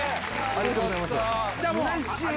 ありがとうございます。